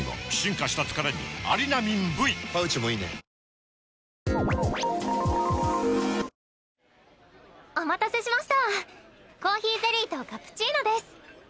おいしさプラスお待たせしましたコーヒーゼリーとカプチーノです。